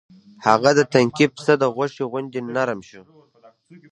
هغه د تنکي پسه د غوښې غوندې نرم شو.